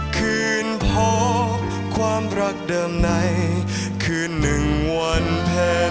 คืนพบความรักเดิมในคืนหนึ่งวันเพ็ญ